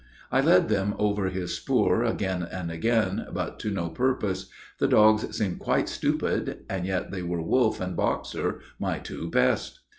I led them over his spoor, again and again, but to no purpose; the dogs seemed quite stupid, and yet they were Wolf and Boxer, my two best.